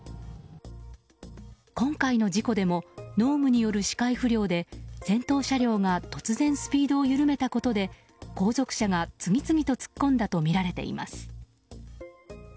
今回の事故でも濃霧による視界不良で先頭車両が突然スピードを緩めたことで後続車が次々と突っ込んだとみられています。